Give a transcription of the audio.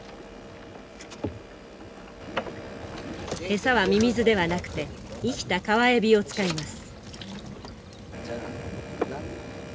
餌はミミズではなくて生きた川エビを使います。